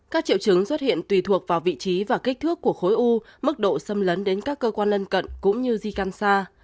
các triệu chứng xuất hiện tùy thuộc vào vị trí và kích thước của khối u xâm lấn đến các cơ quan lân cận cũng như di can xa